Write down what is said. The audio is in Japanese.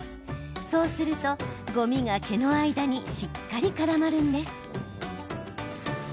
そうすると、ごみが毛の間にしっかり絡まるんです。